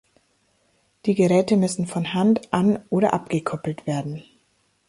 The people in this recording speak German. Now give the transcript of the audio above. Die Geräte müssen von Hand an- oder abgekuppelt werden.